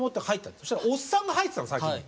そしたらおっさんが入ってたの先に。